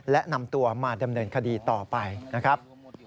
และนำตัวมาดำเนินคดีต่อไปนะครับ